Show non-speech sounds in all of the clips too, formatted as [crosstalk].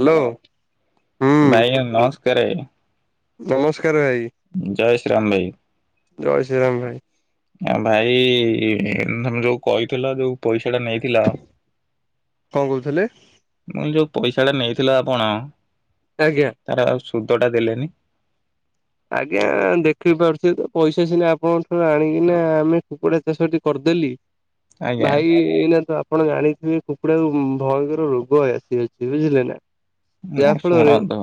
Hello ହୁଁ ଭାଇ ନମସ୍କାର। ନମସ୍କାର ଭାଇ। ଜୟ ଶ୍ରୀ ରାମ ଭାଇ। ଜୟ ଶ୍ରୀରାମ ଭାଇ। ଆ ଭାଇ ତମେ ଯୋଉ କହିଥିଲ ଯୋଉ ପଇସା ଟା ନେଇ ଥିଲ। ମୁଁ କଣ କହୁଥିଲେ? କହିଲି ଯୋଉ ପଇସା ଟା ନେଇଥିଲ ଆପଣ ଆଜ୍ଞା। ତାର ଆଉ ସୁଧ ଟା ଦେଲେନି। ଆଜ୍ଞା ଦେଖି ପାରୁଥିବେ ତ ପଇସା ସିନା ଆପଣଙ୍କ ଠାରୁ ଆଣିକିନା ଆମେ କୁକୁଡ଼ା ଚାଷଟି କରିଦେଲି। ଆଜ୍ଞା ଭାଇ। ଏଇନା ତ ଆପଣ ଜାଣିଥିବେ କୁକୁଡାଙ୍କୁ ଭୟଙ୍କର ରୋଗ ଆସିଅଛି ବୁଝିଲେ ନା। ନାଇଁ ଯାହାଫଳରେ, ଶୁଣନ୍ତୁ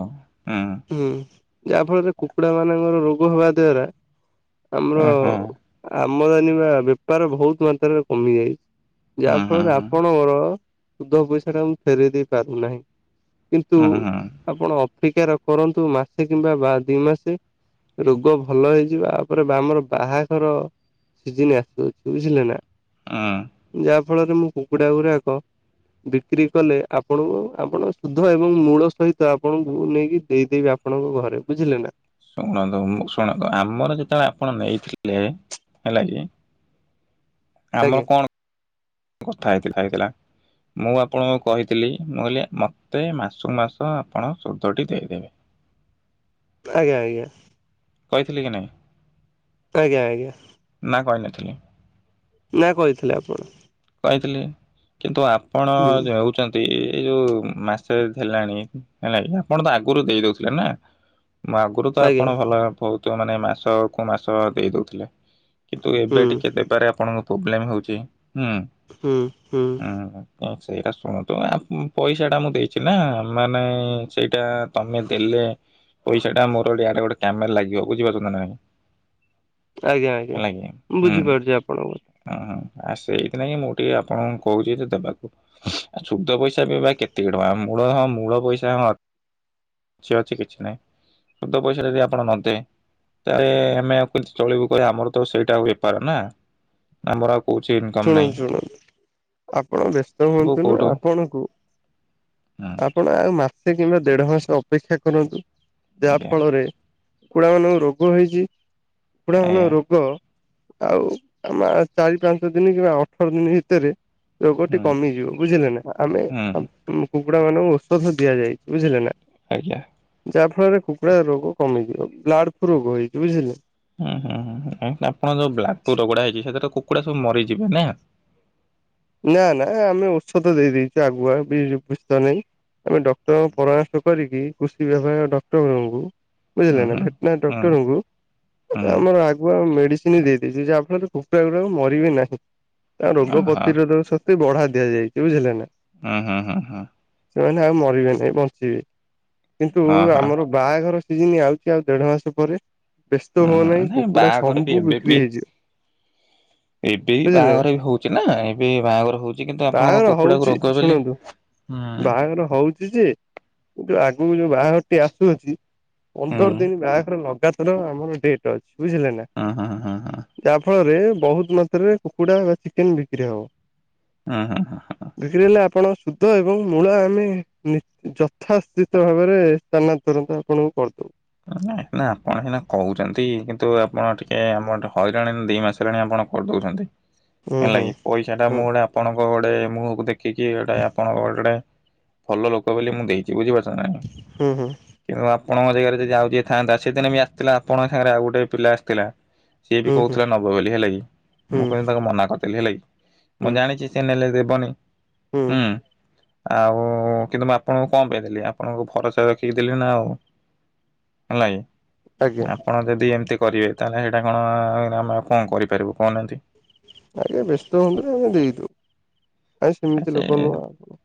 ହୁଁ। ଯାହା ଫଳରେ କୁକୁଡା ମାନଙ୍କର ରୋଗ ହବା ଦ୍ଵାରା ଆମର ହୁଁ ହୁଁ ଆମଦାନୀ ବା ବେପାର ବହୁତ ମାତ୍ରାରେ କମି ଯାଇଛି। ଯାହା ହୁଁ ହୁଁ ଫଳରେ ହୁଁ ଆପଣଙ୍କର ସୁଧ ପଇସା ଟା ମୁ ଫେର ଦେଇ ପାରୁନାହିଁ। କିନ୍ତୁ ହୁଁ ହୁଁ ଆପଣ ଅପେକ୍ଷା ର କରନ୍ତୁ ମାସେ କିମ୍ବା ବା ଦି ମାସେ। ରୋଗ ଭଲ ହେଇଯିବା ଆପରେ ବା ଆମର ବାହାଘର ସିଜିନି ଆସୁଅଛି ବୁଝିଲେ ନା। ହଁ। ଯାହା ଫଳରେ ମୋ କୁକୁଡା ଗୁରାକ ବିକ୍ରି କଲେ ଆପଣଙ୍କୁ ଆପଣଙ୍କ ସୁଧ ଏବଂ ମୂଳ ସହିତ ଆପଣଙ୍କୁ ନେଇକି ଦେଇଦେବି ଆପ ଆପଣଙ୍କ ଘରେ ବୁଝିଲେ ନା। ଶୁଣନ୍ତୁ, ମୁଁ ଶୁଣନ୍ତୁ, ଆମର ଯେତେବେଳେ ଆପଣ ନେଇଥିଲେ ହେଲା କି ଆମର ଆଜ୍ଞା କଣ କଥା ହେଇଥିଲା ହେଇଥିଲା। ମୁଁ ଆପଣଙ୍କୁ କହିଥିଲି ମୁଁ କହିଲି ମତେ ମାସକୁ ମାସ ଆପଣ ସୁଧଟି ଦେଇଦେବେ। ଆଜ୍ଞା ଆଜ୍ଞା। କହିଥିଲି କି ନାହିଁ। ଆଜ୍ଞା ଆଜ୍ଞା। ନା କହିନଥିଲି। ନା କହିଥିଲେ ଆପଣ। କହିଥିଲି, କିନ୍ତୁ ଆପଣ ହୁଁ ଦେଉଛନ୍ତି ଏଇ ଯୋଉ ମାସେରେ ହେଲାଣି ହେଲା କି, ଆପଣ ତ ଆଗରୁ ଦେଇ ଦଉଥିଲେ ନା। ମୁଁ ଆଗରୁ ତ ଆଜ୍ଞା ଆପଣ ଭଲ ବହୁତ ମାନେ ମାସ କୁ ମାସ ଦେଇ ଦଉଥିଲେ। କିନ୍ତୁ ହୁଁ ଏବେ ଟିକେ ଦେବାରେ ଆପଣଙ୍କ ପ୍ରୋବ୍ଲେମ ହଉଚି ହୁଁ। ହୁଁ ହୁଁ। ତ ସେଇଟା ଶୁଣନ୍ତୁ ଆ ପଇସାଟା ମୁଁ ଦେଇଚି ନା ମାନେ ସେଇଟା ତମେ ଦେଲେ ପଇସା ଟା ମୋର ଇଆଡ଼େ ଗୋଟେ କାମେରେ ଲାଗିବ ବୁଝିପାରୁଚନ୍ତି ନାଇଁ। ଆଜ୍ଞା ଆଜ୍ଞା ମୁଁ ହୁଁ ବୁଝିପାରୁଚି ଆପଣଙ୍କୁ ହଁ ହଁ ଆଉ ସେଇଥି ନାଇଁ କି ମୁଁ ଟିକେ ଆପଣଙ୍କୁ କହୁଛି ଯେ ଦେବାକୁ। ଆଉ ଶୁଦ ପଇସା ବି ବା କେତିକି ଟଙ୍କା ମୂଳ ହଁ ମୂଳ ପଇସା ହଁ ସେ କିଛି ଅଛି କିଛି ନାହିଁ ଶୁଦ୍ଧ ପଇସା ଜଦି ଆପଣ ନଦେବେ ଇଆଡେ ଆମେ ଆଉ କେମିତି ଚଳିବୁ କଇଲ ଆମର ତ ସେଇଟା ବେପାର ନା। ଇନକମ୍ ନାହିଁ ଶୁଣନ୍ତୁ ଶୁଣନ୍ତୁ ଆପଣ ବ୍ୟସ୍ତ ସବୁ ହୁଅନ୍ତୁନି କୋଉଠୁ ଆପଣଙ୍କୁ ହୁଁ ଆପଣ ଆଉ ମାସେ କିମ୍ବା ଦେଢ ମାସ ଅପେକ୍ଷା କରନ୍ତୁ ଯାହା ଆଜ୍ଞା ଫଳରେ କୁକୁଡ଼ା ମାନଙ୍କୁ ରୋଗ ହେଇଚି କୁକୁଡ଼ା ମାନଙ୍କ ଆଜ୍ଞା ରୋଗ ଆଉ ଆମେ ଚାରି ପାଞ୍ଚ ଦିନ କିମ୍ବା ଅଠର ଦିନ ଭିତରେ ରୋଗଟି ହୁଁ। କମିଯିବ ବୁଝିଲେ ନା ଆମେ ହୁଁ କୁକୁଡା ମାନଙ୍କୁ ଔଷଧ ଦିଆଯାଇଚି ବୁଝିଲେ ନା ଆଜ୍ଞା। ଯାହା ଫଳରେ କୁକୁଡ଼ା ରୋଗ କମିଯିବ ବ୍ଲାଡ ଫ୍ଲୁ ରୋଗ ହେଇଛି ବୁଝିଲେ ହୁଁ ହୁଁ ହୁଁ ଆପଣ ଯଉ ବ୍ଲାଟୁ ରୋଗ ଟା ହେଇଚି ସେଥିରେ କୁକୁଡା ସବୁ ମରିଯିବେ ନା। ନା ନା ଆମେ ଔଛଧ ଦେଇ ଦେଇଛୁ ଆଗୁଆ ବି ବେସ୍ତ ନାଇଁ। ଆମେ ଡକ୍ଟରଙ୍କୁ ପରାମର୍ଶ କରିକି କୃଷି ବିଭାଗ ଡକ୍ଟର ଙ୍କୁ ହୁଁ ବୁଝିଲେ ନା ହୁଁ। ଭେଟନାରୀ ହୁଁ ଡକ୍ଟରଙ୍କୁ ହୁଁ ଆମର ଆଗୁଆ ମେଡିସି ଚି ଦେଇଛି ଯାହାଫଳରେ କୁକୁଡ଼ା ଗୁରାକ ମରିବେ ନାହିଁ ତା ରୋଗ ପ୍ରତି ଓହୋ ସତ ଶକ୍ତି ବଢା ଦିଆଯାଇଛି ବୁଝିଲେ ନା। ହୁଁ ହୁଁ ହୁଁ ହୁଁ। ସେମାନେ ଆଉ ମରିବେ ନାହିଁ ବଞ୍ଚିବେ କିନ୍ତୁ ଓହୋ। ଆମର ବାହାଘର ସିଜିିନ ଆଉଚି ଆଉ ଦେଢ ମାସ ପରେ ବ୍ୟସ୍ତ ହୁଁ ହୁଅ ହୁଁ। ନାହିଁ ନାଇଁ କୁକୁଡ଼ା ବାହାଘର ବି ସମ୍ଭୁ ଏବେ ବିକ୍ରି ବି ହେଇଯିବେ ଏବେ ବି ବୁଝିଲେ ନା। ବାହାଘର ବି ହଉଛି ନା ଏବେ ବାହାଘର ହଉଚି କିନ୍ତୁ ଆପଣଙ୍କ ବାହାଘର କୁକୁଡାକୁ ରୋଗ ବୋଲି ହୁଁ। ତାଙ୍କର ହଉ ଚି ଯେ କିନ୍ତୁ ଆଗକୁ ଯୋଉ ବାହାଘରଟି ଆସୁଅଛି ହୁଁ ପନ୍ଦର ଦିନ ବାହାଘର ଲଗାତା ର ଆମର ଡେଟ୍ ଅଛି ବୁଝିଲେ ନା। ଉ ହୁ ହଁଁ। ଯାହା ଫଳରେ ବହୁତ ମାତ୍ରାରେ କୁକୁଡ଼ା ବା ଚିକେନ ବିକ୍ରି ହବ। ଉଁ ହଁ ହଁ। ବିକ୍ରି ହେଲେ ଆପଣ ଶୁଦ୍ଧ ଏବଂ ମୂଳ ଆମେ ନି ଯଥାଶିତ ଭାବରେ ସ୍ଥାନା ତୁରନ୍ତ ଆପଣଙ୍କୁ କରିଦବୁ। ନା ଆପଣ ସିନା କହୁଚନ୍ତି କିନ୍ତୁ ଆପଣ ଟିକେ ଆମର ହଇରାଣ ଦି ମାସ ହେଲାଣି ଆପଣ କର ଦଉଚନ୍ତି। ହୁଁ ହେଲା ହୁଁ କିି ପଇସା ଟା ମୁଁ ହୁଁ ଗୋଟେ ଆପଣଙ୍କ ଗୋଟେ ମୁଁହ କୁ ଦେଖିକି ଗୋଟା ଆପଣଙ୍କ ଗୋଟା ଭଲ ଲୋକ ବୋଲି ମୁଁ ଦେଇଚି ବୁଝିପାରୁଛ ନା। ନାଇଁ। ହୁଁ ହୁଁ। କିନ୍ତୁ ଆପଣଙ୍କ ଜାଗାରେ ଯଦି ଯଉ ଯିଏ ଥାନ୍ତା ସେଦିନ ବି ଆସିଥିଲା ଆପଣଙ୍କ ସାଙ୍ଗରେ ଆଉ ଗୋଟେ ପିଲା ଆସିଥିଲା। ସିଏ ବି ହୁଁ ହୁଁ ହୁଁ କହୁଥିଲା ନବ ବୋଲି ହେଲା କି ହୁଁ ମୁଁ କିନ୍ତୁ ତାଙ୍କ ମନା କରିଦେଲି ହେଲା କି ହୁଁ ମୁଁ ଜାଣିଛି ସେ ହେଲେ ଦେବନି। ହୁଁ ଆଉ କିନ୍ତୁ ମୁଁ ଆପଣଙ୍କୁ କଣ ପାଇଁ ଦେଲି ଆପଣଙ୍କୁ ଭରସା ରଖିକି ଦେଲି ନା ଆଉ। ହେଲା କି ଆଜ୍ଞା। ପଣ ଯଦି ଏମିତି କରିବେ ତାହେଲେ ସେଇଟା କଣ ଆମେ ଆଉ କଣ କରିପାରିବୁ କହୁନାହାନ୍ତି। ଆଜ୍ଞା ବ୍ୟସ୍ତ ହୁଅନ୍ତୁନି ଆମେ ଦେଇ ଦଉ। ଆଏସ୍ ଆ ସେମିତି ସେ ଲୋକ ନୁଅଁ ଆପଣ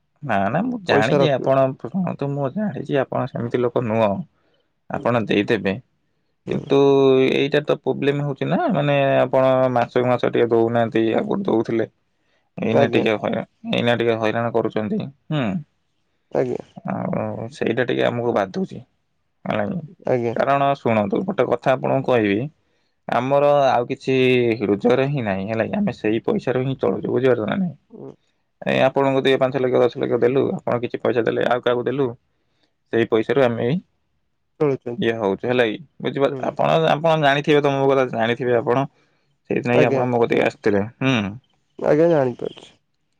ପଇସା ରଖିବୁ। [unintelligible] ତ ମୁଁ ଜାଣିଚି ଆପଣ ସେମିତି ଲୋକ ନୁଅଁ ଆପଣ ଦେଇଦେବେ। ହୁଁ କିନ୍ତୁ ଏଇଟା ତ ପ୍ରୋବ୍ଲେମ୍ ହଉଛି ନା ମାନେ ଆପଣ ମାସକୁ ମାସ ଟିକେ ଦୋଉନା। ତେଇ ଆଗୁରୁ ଦୋଉଥିଲେ। [inaudible] ଏଇନା ଟିକେ ହାଇରାଣ ଏଇନା ଟିକେ ହଇରାଣ କରୁଚନ୍ତି ହୁଁ। ଆଜ୍ଞା। ଆଉ ଆଉ ସେଇଟା ଟିକେ ଆମୁକୁ ବାଧୁଚି ହେଲାକି ଆଜ୍ଞା କାରଣ ସୁ ଶୁଣନ୍ତୁ ଗୋଟେ କଥା ଆପଣଙ୍କୁ କହିବି। ଆମର ଆଉ କିଛି ରୋଜଗାର ହିଁ ନାହିଁ ହେଲାକି ଆମେ ସେଇ ପଇସାରୁ ହିଁ ଚଳୁଚୁ ବୁଝିପାରୁଛ ନା ନାଇଁ। ଉଁ। ହେଁଇଁ ଆପଣଙ୍କୁ ଦିଏ ପାଞ୍ଚ ଲକ୍ଷ ଦଶ ଲକ୍ଷ ଦେଲୁ ଆପଣ କିଛି ପଇସା ଦେଲେ ଆଉ କାହାକୁ ଦେଲୁ। ସେଇ ପଇସାରୁ ଆମେ ଇଁ ଚଳୁଛନ୍ତି ଦିଆ ହଉଚି ହେଲାଇ ବୁଝିବାର ହୁଁ ଆପଣ ଆପଣ ଜାଣିଥିବେ ତ ମୋ କଥା ଜାଣିଥିବେ ଆପଣ। ସେଇଥିିନାଗୀ ଆପଣ ମୋ କତିକି ଆସିଥିଲେ ହୁଁ। ମୁଁ ଆଜ୍ଞା ଜାଣିପାରୁଛି।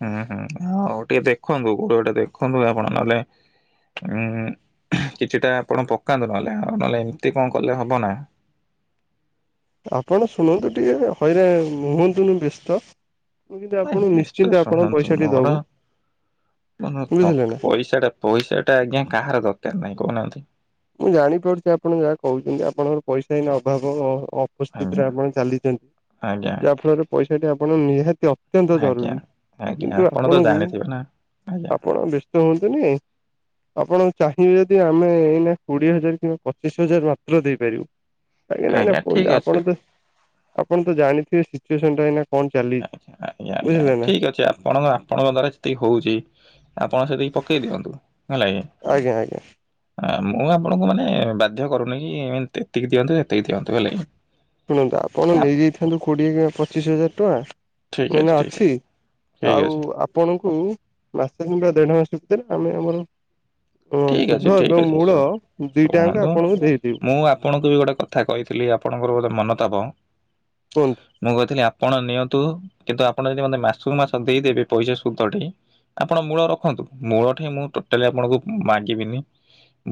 ହୁଁ ହୁଁ ହୁଁ ମୁଁ ହଉ ଟିକେ ଦେଖନ୍ତୁ କୋଉଟ ଗୋଟେ ଦେଖନ୍ତୁ ଆପଣ ନହେଲେ ଉଁ ହୁଁ ହାଁ କିଛିଟା ଆପଣ ପକାନ୍ତୁ ନହେଲେ ଆଉ ନହେଲେ ଏମିତି କଣ କଲେ ହବ ନା। ଆପଣ ଶୁଣନ୍ତୁ ଟିକେ ହଇରା ହୁଅନ୍ତୁନୁ ବ୍ୟସ୍ତ। ମୁଁ କିନ୍ତୁ ନାଇଁ ଆପଣ ନିଶ୍ଚିନ୍ତ ଆପଣଙ୍କ ପଇସାଟି ଦବୁ। ବୁଝିଲେ ମନତଖ୍ ନା। ପଇସାଟା ପଇସା ଟା ଆଜ୍ଞା କାହାର ଦରକାର ନାହିଁ କହୁନାହାନ୍ତି। ମୁଁ ଜାଣିପାରୁଚି ଆପଣ ଯାହା କହୁଚନ୍ତି ଆପଣଙ୍କର ପଇସା ଏଇନା ଅଭାବ ଅ ଅପ୍ ଉପସ୍ଥିତିରେ ଆଜ୍ଞା ଆପଣ ଚାଲିଚନ୍ ଆଜ୍ଞା ଯାହା ଫଳରେ ପଇସାଟି ଆପଣ ନିହାତି ଅପ୍ ତ୍ୟନ୍ତ ଆଜ୍ଞା ଜରୁରୀ ଆଜ୍ଞା କିନ୍ତୁ ଆପଣ ତ ଆପଣଙ୍କୁ ଜାଣିଥିବେ ନା ଆଜ୍ଞା ଆପଣ ବେଶ୍ ତୁହଁନ୍ତୁନି ଆପଣ ଚାହିଁବେ ଦି ଆମେ ଏଇନା କୋଡ଼ିଏ ହଜାର କିମ୍ବା ପଚିଶ ହଜାର ମାତ୍ର ଦେଇପାରିବୁ କାଇଁକି ନାଇଁ ନା ଆଜ୍ଞା ଠିକ୍ ପୁଞା ଅଛି ଆପଣ ବେ ଆପଣ ତ ଜାଣିଥିବେ ସିଚୁଏସନ୍ ଟା ଏଇନା? କଣ ଚାଲିଛି ଜାଣିଛି ଆଜ୍ଞା ଆଜ୍ଞା ବୁଝିଲେ ଆଜ୍ଞା ନା। ଠିକ୍ ଅଛି ଆପଣ ମା। ଆପଣଙ୍କ ଦ୍ଵାରା ଯେତିକି ହଉଛି ଆପଣ ସେତିକି ପକେଇ ଦିଅନ୍ତୁ ହେଲାକି। ଆଜ୍ଞା ଆଜ୍ଞା। ହଁ ମୁଁ ଆପଣଙ୍କୁ ମାନେ ବାଧ୍ୟ କରୁନାଇଁ ଏନ୍ ତେତିକି ଦିଅନ୍ତୁ ସେତିକି ଦିଅନ୍ତୁ ହେଲା କି। ଶୁଣନ୍ତୁ ଆପଣ ଆ, ନେଇଯାଇଥାନ୍ତୁ କୋଡ଼ିଏ କିଆଁ ପଚିଶ ହଜାର ଟଙ୍କ। ଏଇନା ଅଛି ଠିକ୍ ଆଉ ଅଛି ଆପ୍ ପଣଙ୍କୁ ମାସେ କିମ୍ବା ଦେଢ଼ ମାସେ ଭିତରେ ଆମେ ଆମର। ଅଁ ଠିକ୍ ଅଛି ସୁଧ ଠିକ୍ ଏବଂ ଅଛି ମୂଳ ଶୁ- ଦିଟାୟାଙ୍କ ଶୁଣନ୍ତୁ ଆପଣଙ୍କୁ ଦେଇଦେଉ। ମୁଁ ଆପଣଙ୍କୁ ବି ଗୋଟେ କ ଥା କହିଥିଲି ଆପଣଙ୍କର ବୋଧେ ମନତାବ। କୁହନ୍ତୁ ମୁଁ କହିଥିଲି ଆପଣ ନିଅନ୍ତୁ କିନ୍ତୁ ଆପଣ ଯଦି ମନେ ମାସୁକୁ ମାସ ଦେଇଦେବେ ପଇସା ସୁଧଟି। ଆପଣ ମୂଳ ରଖନ୍ତୁ ମୂଳ ଠେଇଁ ମୁଁ ଟୋଟାଲି ଆପଣଙ୍କୁ ହୁଁ ମାଗିବିନି।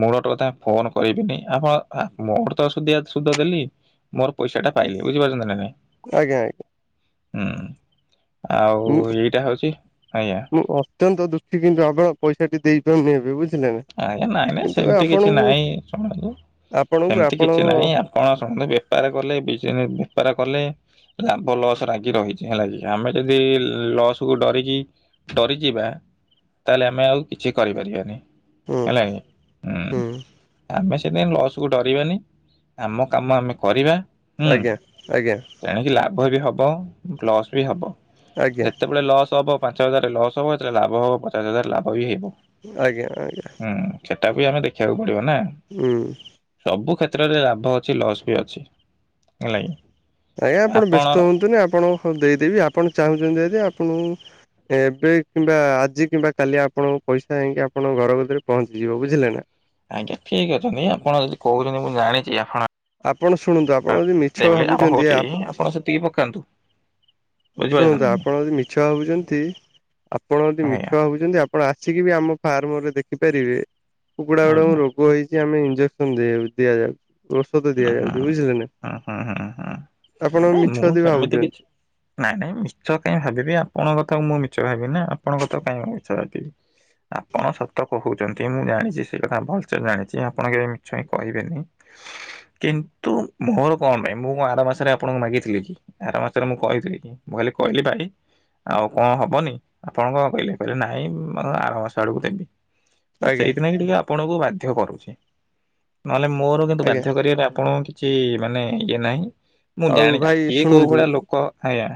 ମୂଳଟ କଥା ଫୋନ କରିବିନି ଆପଣ ଆ ମୋର ତ ସୁଦିଆ ସୁଦ ଦେଲି। ମୋର ପଇସାଟା ପାଇଲି ବୁଝିପାରୁଛନ୍ତି ନା ନାଇଁ? ଆଜ୍ଞା ଆଇଁ। ହୁଁ ଆଉ ମୁଁ ଏଇଟା ହଉଛି ଆଜ୍ଞା। ମୁଁ ଅତ୍ୟନ୍ତ ଦୁଃଖୀ କିନ୍ତୁ ଆପଣ ପଇସାଟି ଦେଇପାରୁନି ଏବେ ବୁଝିଲେ ନା। ଆଜ୍ଞା ନାଇଁ ନାଇଁ କିନ୍ତୁ ସେମ୍ତି କିଛି ଆପଣଙ୍କୁ ନାଇଁ ଶୁଣନ୍ତୁ ଆପଣଙ୍କୁ ସେମ୍ତି ଆପଣଙ୍କ କିଛି ନାଇଁ ଆ ପଣ ଶୁଣନ୍ତୁ ବେପାର କଲେ [unintelligible] ବେପାର କଲେ। ଲାଭ ଲସ ଲାଗି ରହିଚି ହେଲା କି। ଆମେ ଯଦି ଲସ୍କୁ ଡରିକି ଡରିଯିବା ତାହେଲେ ଆମେ ଆଉ କିଛି କରିପାରିବାନି। ହୁଁ ହେଲାକିଁ ହୁଁ ଆମେ [unintelligible] ପାଇଁ ଲସ୍ କୁ ଡରିବାନି ଆମ କାମ ଆମେ କରିବା। ହୁଁ। ଆଜ୍ଞା ଆଜ୍ଞା! ତେଣିକି ଲାଭ ବି ହବ ଲସ୍ ବି ହବ ଆଜ୍ଞା ଯେତେବେଳେ ଲସ୍ ହବ ପାଞ୍ଚ ହଜାର ଲସ୍ ହବ ସେଥିରେ ଲାଭ ହବ ପଚାଶ ହଜାର ଲାଭ ବି ହେଇପାରେ। ଆଜ୍ଞା ଆଜ୍ଞା! ହୁଁ ସେଟାବି ଆମେ ଦେଖିବାକୁ ପଡିବ ନା। ଉଁ! ସବୁ କ୍ଷେତ୍ରରେ ଲାଭ ଅଛି ଲସ୍ ବି ଅଛି। ହେଲା କି ଆଜ୍ଞା ଆପଣ ବ୍ୟସ୍ତ ହୁଅନ୍ତୁ ନି ଆପଣ ହଁ ଦେଇଦେବି ଆପଣ ଚାହୁଁଚନ୍ତି ଯଦି ଆପଣଙ୍କୁ ଏବେ କିମ୍ବା ଆଜି କିମ୍ବା କାଲି ଆପଣଙ୍କୁ ପଇସା ହେଇକି ଆପଣଙ୍କ ଘର ଗତିରେ ପହଞ୍ଚିଯିବ ବୁଝିଲେ ନା। ଆଜ୍ଞା ଠିକ୍ ଅଛନ୍ତି। ଆପଣ ଯଦି କହୁଚନ୍ତି ମୁଁ ଜାଣିଚି ଆପଣ ଆପଣ ଶୁଣନ୍ତୁ ଆପଣ ଯଦି ମିଛ ଦେଲେ ଆମ ଭାବୁଚନ୍ତି ହଉଛି [unintelligible] ଆପଣ ସେତିକି ପକାନ୍ତୁ ବୁଝିପାରିଲେ ଶୁଣନ୍ତୁ ନା ନାଇଁ ଆପଣ ଯଦି ମିଛ ଭାବୁଚନ୍ତି ଆପଣ ଯଦି ଆଜ୍ଞା ମିଛ ଭାବୁଚନ୍ତି ଆପ୍ ଆପଣ ଆସିକି ବି ଆମ ଫାର୍ମରେ ଦେଖିପାରିବେ କୁକୁଡା ଆଜ୍ଞା ଗୁଡାଙ୍କୁ ରୋ ଗ ହେଇଚି ଆମେ ଇଞ୍ଜେକ୍ସନ [unintelligible] ଦିଆଯାଉ ଓ ହଁ ହୁଁ ହୁଁ ହୁଁ ହୁଁ ଆପଣ ନାଇଁ ମିଛ ମୁଁ ଯଦି ସେମିତି ଭାବୁଛନ୍ତି କିଛି ନାଇଁ ନାଇଁ ମିଛ କାଇଁ ଭାବିବି ଆପଣଙ୍କ କଥା ମୁଁ ମିଛ ଭାବିବି ନା ଆପଣଙ୍କ କଥା କାଇଁ ମିଛ ଭାବିବି। ଆପଣ ସତ କହୁଚନ୍ତି ମୁଁ ଜାଣିଚି ସେ କଥା ଭଲସେ ଜାଣିଛି ଆପଣ କେବେ ମିଛ ହିଁ କହିବେନି। [inaudible] କିନ୍ତୁ ମୋର କଣ ପାଇଁ ମୁଁ କଁ ଆର ମାସରେ ଆପଣଙ୍କୁ ମାଗିଥିଲି କି ଆର ମାସରେ ମୁଁ କହିଥିଲି କି। ମୁଁ ଖାଲି କହିଲି ଭାଇ ଆଉ କଁ ହବନି ଆପଣ କଁ କହିଲେ କହିଲେ ନାଇଁ ଆର ମାସ ଆଡକୁ ଦେବି। ମୁଁ ଆଜ୍ଞା ସେଇଥି ନାକି ଟିକେ ଆପଣଙ୍କୁ ବାଧ୍ୟ କରୁଚି ନହେଲେ ମୋର କିନ୍ତୁ ବା ଆଜ୍ଞା କରିବାରେ ଆପଣଙ୍କୁ କିଛି ମାନେ ଇଏ ନାହିଁ। ମୁଁ ଆଉ ଜାଣି ଭାଇ କିଏ କୋଉ ଶୁଣନ୍ତୁ ଭଳିଆ ଲୋକ ଆଜ୍ଞା!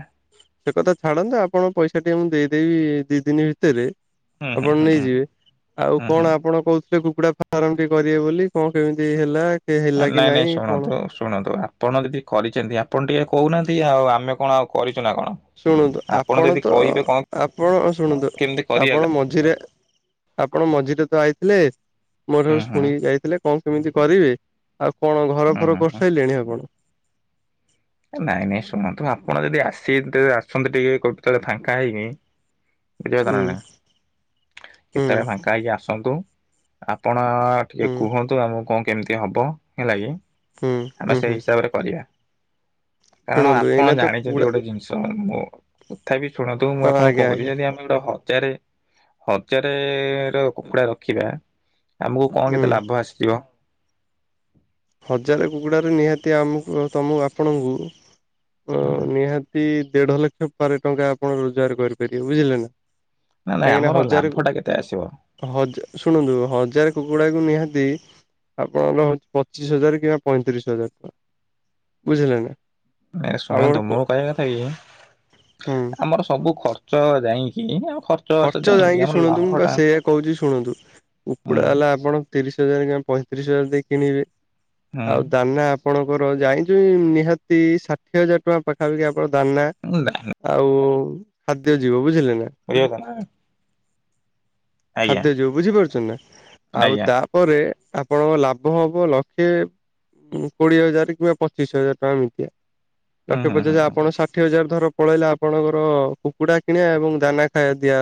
ସେ କଥା ଛାଡନ୍ତୁ ଆପଣଙ୍କ ପଇସା ଟିକେ ମୁଁ ଦେଇଦେବି ଦି ଦିନି ଭିତରେ। ହୁଁ ହୁଁ ଆପଣ ହୁଁ ହୁଁ। ନେଇଯିବେ। ଆଉ ହୁଁ ହୁଁ କଣ ଆପଣ କହୁ ସେ କୁକୁଡା ଫାର୍ମଟି କରିବେ ବୋଲି କଁ କେମିତି ହେଲା? ହେଲା କି ନାଇଁ ନାଇଁ କଣ? ଶୁଣନ୍ତୁ ଶୁଣନ୍ତୁ ଆ ଆପଣ ଯଦି କରିଚନ୍ତି। ଆପଣ ଟିକେ କହୁନାହାନ୍ତି ଆଉ ଆମେ କଣ ଆଉ କରିଚୁ ନା କଣ? ଶୁଣନ୍ତୁ ଆପଣ ଯଦି ତ କହିବେ କଣ ଆପଣ ଶୁଣନ୍ତୁ କେମିତି କରିବାକୁ ଆପଣ ମଝିରେ ଆପଣ ମଝିରେ ତ ଆଇଥିଲେ ମୋ ହୁଁ ଠାରୁ ହୁଁ ଶୁଣିକି ଯାଇଥିଲେ କଁ କେମିତି କରିବେ। ଆପଣ ଘର ହୁଁ ଫର ହୁଁ ହୁଁ କରିସାରିଲେଣି ଆପଣ? ଏ ନାଇଁ ନାଇଁ ଶୁଣନ୍ତୁ ଆପଣ ଯଦି ଆସି ତେବେ ଆସନ୍ତୁ ଟିକେ କୋଉତେଳେ‌ ଫାଙ୍କା ହେଇକି। [unintelligible] ନା ହୁଁ ନାଇଁ ହୁଁ କେତେବେଳେ ଫାଙ୍କା ହେଇକି ଆସନ୍ତୁ ଆପଣ ଅ ହୁଁ ଟିକେ କୁହନ୍ତୁ ଆମକୁ କଁ କେମିତି ହବ ହେଲାକି? ହୁଁ ଆମେ ହୁଁ ସେଇ ହୁଁ ହିସାବରେ କରିବା କାରଣ ଶୁଣନ୍ତୁ ଏଇନା ଆପଣ ତ ଜାଣିଚନ୍ତି କୁକୁଡ଼ା ଗୋଟେ ଜିନି ଷ ମୋ କଥା ବିି ଶୁଣନ୍ତୁ ମୁଁ ହଁ ଆପଣ ଆଜ୍ଞା କହୁଚି ଆଜ୍ଞା ଯଦି ଆ [unintelligible] ହଜାରେ ହଜାରେର କୁକୁଡା ରଖିବା। ଆମକୁ କଣ ହୁଁ କେତେ ଲାଭ ଆସିଥିବ? ହଜାରେ କୁକୁଡ଼ାରେ ନିହାତି ଆମକୁ ତମକୁ ଆପଣଙ୍କୁ ଉମ ନିହାତି ଦେଢ ଲକ୍ଷ ପରେ ଟଙ୍କା ଆପଣ ରୋଜଗାର କରିପାରିବେ। ବୁଝିଲେ ନା? ନାଇଁ ନାଇଁ କାହିଁକି ନା ଆମର ହଜାରେ ଲାଭ ଟା କେତେ ଆସିବ? ହଜା ଶୁଣନ୍ତୁ ହଜାରେ କୁକୁଡାକୁ ନିହାତି ଆପଣଙ୍କର ପ ଚିଶ ହଜାର କିମ୍ବା ପଇଁତିରିଶ ହଜାର ଟଙ୍କା ବୁଝିଲେ ନା? ନାଇଁ ଆମର ଶୁଣନ୍ତୁ ମୁ କହିବା କଥାକି ହୁଁ ଆମର ସବୁ ଖର୍ଚ୍ଚ ଯାଇଁକି ଆମ ଖର ଖର୍ଚ୍ଚ ଯାଇକି ଶୁଣନ୍ତୁ ମୁଁ ପା ସେଇଆ କହୁଛି ଶୁଣନ୍ତୁ କୁକୁଡା ହୁଁ ହେଲା ଆପଣ ତିରିଶ ହଜାର କିମ୍ବା ପଇଁତିରିଶ ହଜାର ଦେଇ କିଣିବେ ହୁଁ ଆଉ ଦାନା ଆପଣଙ୍କର ଜାଣିଚକି ନିହାତି ଷାଠିଏ ହଜାର ଟଙ୍କା ପାଖାପାଖି ଆପଣ ଦାନା ମୁ କହିଲି। [unintelligible] ଆଉ ଖାଦ୍ୟ ଯିବ ବୁଝିଲେ ନା? ଇଏ ଦାନା। ଖାଦ୍ୟ ଯିବ ବୁଝିପାରୁଛ ନା? ଆଉ ଆଜ୍ଞା ତାପରେ ଆପଣଙ୍କ ଲାଭ ହବ ଲକ୍ଷେ କୋଡିଏ ହଜାର କିମ୍ବା ପଚିଶ ହଜାର ଟଙ୍କା ମିତିଆ। ହୁଁ ଲକ୍ଷେ ହୁଁ ହୁଁ ପଚାଷ ହୁଁ ଆପଣ ଷାଠି ହଜାର ଧର ପଳେଇଲା ଆପଣଙ୍କର କୁକୁଡା କିଣିବା ଏବଂ ଦାନା ଖାଇବା ଦିଆ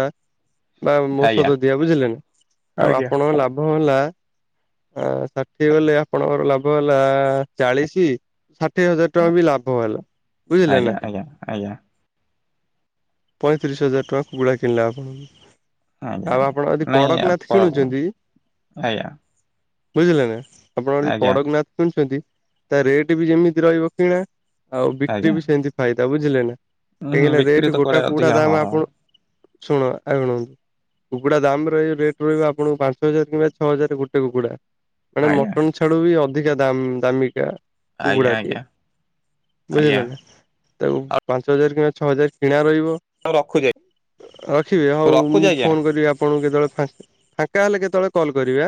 ବା ଆଜ୍ଞା ଓଷଧ ଦିଆ ବୁଝିଲେ ନା? ଆଉ ଆଜ୍ଞା ଆପଣଙ୍କ ଲାଭ ହେଲା ଆଁ ଷାଠିଏ ଗଲେ ଆପଣଙ୍କର ଲାଭ ହେଲା ଚାଳିଶି ଷାଠିଏ ହଜାର ଟଙ୍କା ବି ଲାଭ ହେଲା ବୁଝିଲେ ଆଜ୍ଞା ନା? ଆଜ୍ଞା, ଆଜ୍ଞା। ପଇଁତିରିଶ ହଜାର ଟଙ୍କା କୁକୁଡ଼ା କିଣିଲା ଆପଣଙ୍କୁ। ଆଜ୍ଞା ଆଉ ଆପଣ ଆଜି ନାଇଁ କଡକ ନାଥ ଆପ କିଣୁଛନ୍ତିକି? ଆଜ୍ଞା ବୁଝିଲେ ନା ଆପଣ ଯଦି ଆଜ୍ଞା କଡକନାଥ କିଣୁଛନ୍ତି ତା ରେଟ୍ ବି ଯେମିତି ରହିବ କିଣା ଆଉ ଆଜ୍ଞା ବିକ୍ରି ବି ସେମିତି ଫାଇଦା ବୁଝିଲେ ନା? ହୁଁ ହଁ ବିକ୍ରି ତ ଟା କୁଆଡେ କୁଟା ଅଧିକା ହଁ ଦାମ ହଁ ଆପଣ ଶୁଣ ଆଣ କୁକୁଡ଼ା ଦାମ ରହିବ ରେଟ୍ ରହିବ ଆପଣଙ୍କୁ ପାଞ୍ଚ ହଜାର କିମ୍ବା ଛଅ ହଜାର ଗୋଟେ କୁକୁଡ଼ା। ମାନେ ଆଜ୍ଞା ମଟନ୍ ଛାଡୁ ବି ଅଧିକା ଦାମ ଦାମିକିଆ। ଆଜ୍ଞା କୁକୁଡ଼ାଟିଏ ଆଜ୍ଞା ଆଜ୍ଞା ବୁଝିଲ ନା? ତାକୁ ପାଞ୍ଚ ହଜାର କିମ୍ବା ଛଅ ହଜାର କିଣା ରହିବ। ମୁଁ ରଖୁଛି ରଖିବେ ହଉ ରଖୁଛି ମୁଁ ଆଜ୍ଞା। ଫୋନ କରିବି ଆପଣଙ୍କୁ କେତେବେଳେ ଫା ଫାଙ୍କା ହେଲେ କେତେବେଳେ କଲ୍ କରିବେ ଆଁ।